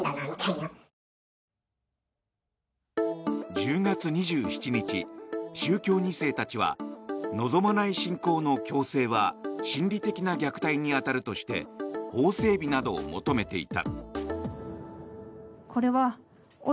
１０月２７日、宗教２世たちは望まない信仰の強制は心理的な虐待に当たるとして法整備などを求めていた。